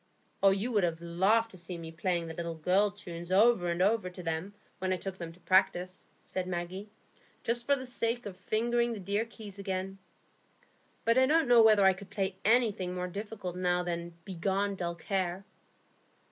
"You would have laughed to see me playing the little girls' tunes over and over to them, when I took them to practise," said Maggie, "just for the sake of fingering the dear keys again. But I don't know whether I could play anything more difficult now than 'Begone, dull care!